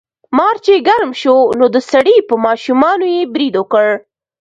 مار چې ګرم شو نو د سړي په ماشومانو یې برید وکړ.